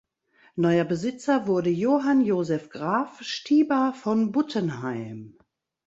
Neuer Besitzer wurde Johann Joseph Graf Stiebar von Buttenheim.